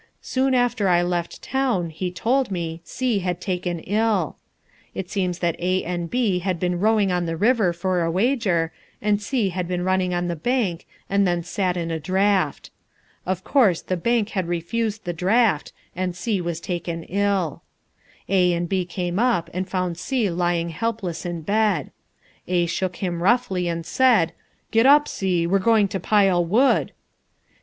Soon after I left town, he told me, C had been taken ill. It seems that A and B had been rowing on the river for a wager, and C had been running on the bank and then sat in a draught. Of course the bank had refused the draught and C was taken ill. A and B came home and found C lying helpless in bed. A shook him roughly and said, "Get up, C, we're going to pile wood."